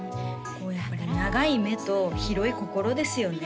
こうやっぱり長い目と広い心ですよね